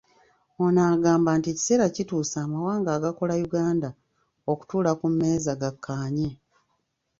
Ono agamba nti ekiseera kituuse amawanga agakola Uganda okutuula ku mmeeza gakkaanye.